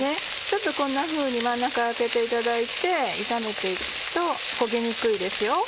ちょっとこんなふうに真ん中空けていただいて炒めて行くと焦げにくいですよ。